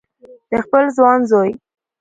د خپل ځوان زوی